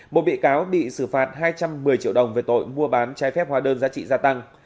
một bị cáo bị xử phạt hai trăm một mươi triệu đồng về tội mua bán trái phép hóa đơn giá trị gia tăng